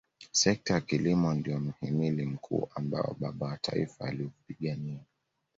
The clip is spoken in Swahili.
sekta ya kilimo ndio mhimili mkuu ambao baba wa taifa aliupigania